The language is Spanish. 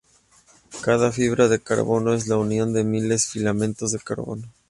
Cada fibra de carbono es la unión de miles de filamentos de carbono.